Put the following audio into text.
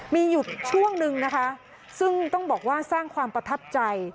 มีอยู่ช่วงนึงนะคะซึ่งต้องบอกว่าสร้างความประทับใจ